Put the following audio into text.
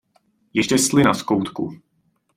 Ještě slina z koutku.